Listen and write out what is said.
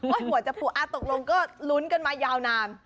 โหยหัวจับหัวอาจตกลงก็ลุ้นกันมายาวนาน